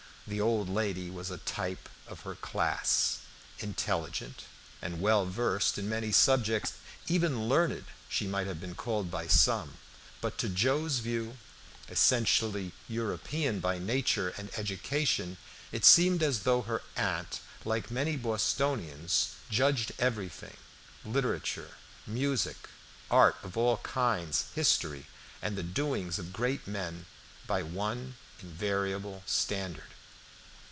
The old lady was a type of her class; intelligent and well versed in many subjects even learned she might have been called by some. But to Joe's view, essentially European by nature and education, it seemed as though her aunt, like many Bostonians, judged everything literature, music, art of all kinds, history and the doings of great men by one invariable standard.